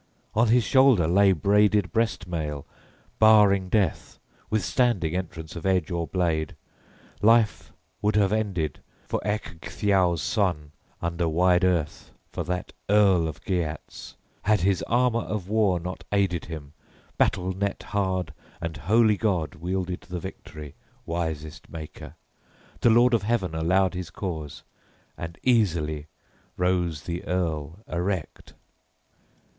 On his shoulder lay braided breast mail, barring death, withstanding entrance of edge or blade. Life would have ended for Ecgtheow's son, under wide earth for that earl of Geats, had his armor of war not aided him, battle net hard, and holy God wielded the victory, wisest Maker. The Lord of Heaven allowed his cause; and easily rose the earl erect.